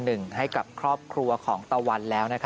ให้กับครอบครัวของตะวันแล้ว